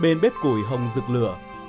bên bếp củi hồng rực lửa